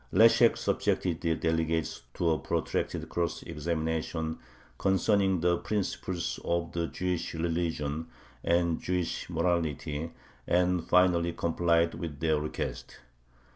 Leshek subjected the delegates to a protracted cross examination concerning the principles of the Jewish religion and Jewish morality, and finally complied with their request.